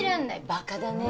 バカだね。